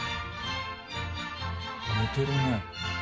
寝てるね。